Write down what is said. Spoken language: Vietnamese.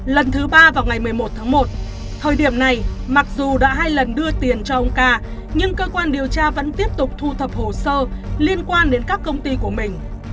lần thứ ba vào ngày một mươi một tháng một thời điểm này mặc dù đã hai lần đưa tiền cho ông ca nhưng cơ quan điều tra vẫn tiếp tục thu thập hồ sơ liên quan đến các công ty của mình